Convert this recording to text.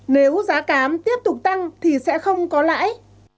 nếu giá cá tiếp tục tăng thì sẽ không có lãi